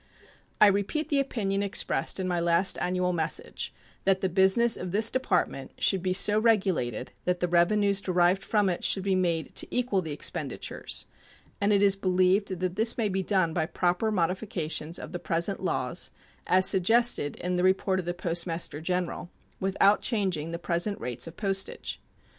I repeat the opinion expressed in my last annual message that the business of this Department should be so regulated that the revenues derived from it should be made to equal the expenditures, and it is believed that this may be done by proper modifications of the present laws, as suggested in the report of the Postmaster General, without changing the present rates of postage.